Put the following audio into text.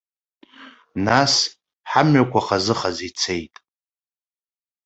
Нас, ҳамҩақәа хазы-хазы ицеит.